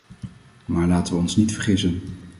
Maar laten we ons niet vergissen!